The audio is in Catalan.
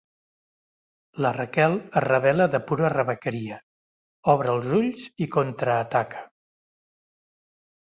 La Raquel es rebel·la de pura rebequeria; obre els ulls i contraataca.